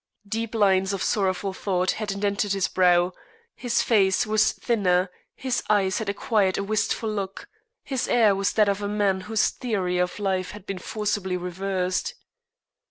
Deep lines of sorrowful thought had indented his brow, his face was thinner, his eyes had acquired a wistful look; his air was that of a man whose theory of life had been forcibly reversed.